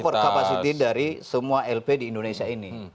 over capacity dari semua lp di indonesia ini